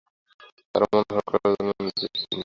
কারো মন হরণ করবার জন্যে যে, তা নয়।